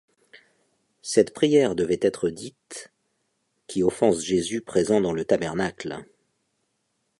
Cette prière devait être dite qui offensent Jésus présent dans le tabernacle.